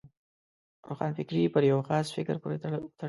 روښانفکري پر یو خاص فکر پورې وتړي.